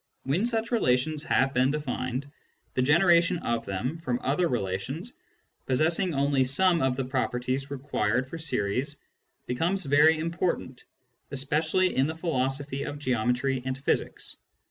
When such relations have been defined, the generation of them from other relations possessing only some of the properties required for series becomes very important, especially in the philosophy of geometry and physics.